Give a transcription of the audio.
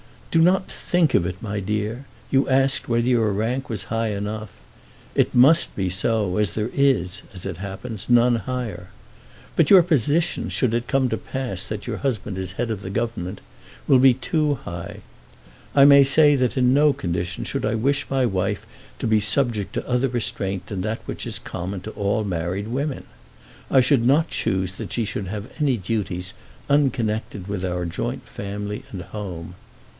"Do not think of it, my dear. You asked whether your rank was high enough. It must be so, as there is, as it happens, none higher. But your position, should it come to pass that your husband is the head of the Government, will be too high. I may say that in no condition should I wish my wife to be subject to other restraint than that which is common to all married women. I should not choose that she should have any duties unconnected with our joint family and home.